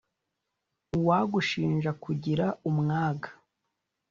Uwagushinja kugira umwaga